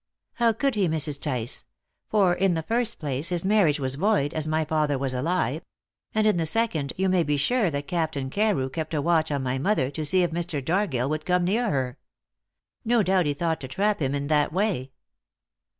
"How could he, Mrs. Tice? For, in the first place, his marriage was void, as my father was alive. And in the second, you may be sure that Captain Carew kept a watch on my mother to see if Mr. Dargill would come near her. No doubt he thought to trap him in that way."